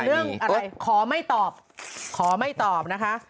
เรื่องอะไรขอไม่ตอบขอไม่ตอบนะคะ